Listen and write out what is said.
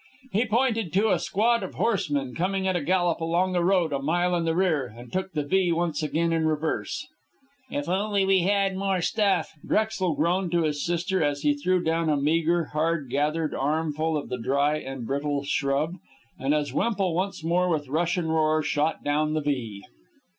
He pointed to a squad of horsemen coming at a gallop along the road a mile in the rear, and took the V once again in reverse. "If only we had more stuff," Drexel groaned to his sister, as he threw down a meager, hard gathered armful of the dry and brittle shrub, and as Wemple once more, with rush and roar, shot down the V.